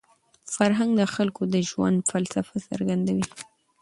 فرهنګ د خلکو د ژوند فلسفه څرګندوي.